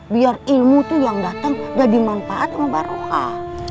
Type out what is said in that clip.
biar ilmu tuh yang dateng jadi manfaat sama barokah